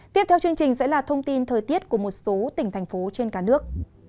tiếp theo chương trình sẽ là thông tin thời tiết của một số tỉnh thành phố trên cả nước